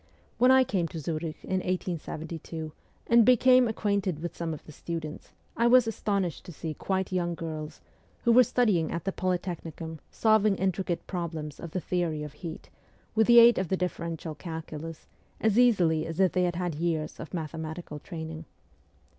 When I came to Zurich in 1872, and became acquainted with some of the students, I was astonished to see quite young girls, who were studying at the Polytech nicum, solving intricate problems of the theory of heat, with the aid of the differential calculus, as easily as if they had had years of mathematical training.